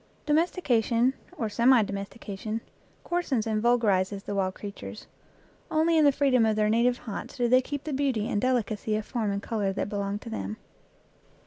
Domestication, or semi domestication, coarsens and vulgarizes the wild creatures; only in the freedom of their native haunts do they keep the beauty and delicacy of form and color that belong to them.